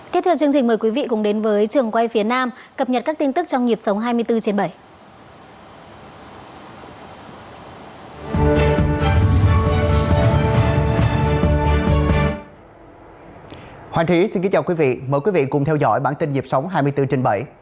tiếp theo chương trình mời quý vị cùng đến với trường quay phía nam cập nhật các tin tức trong nhịp sống hai mươi bốn trên bảy